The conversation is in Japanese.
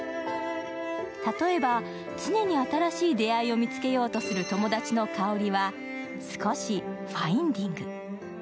例えば、常に新しい出会いを見つけようとする友達のカオリは少し・ファインディング。